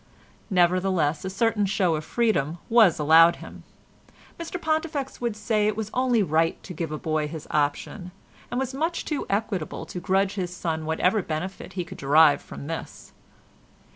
Nevertheless a certain show of freedom was allowed him. Mr Pontifex would say it was only right to give a boy his option, and was much too equitable to grudge his son whatever benefit he could derive from this.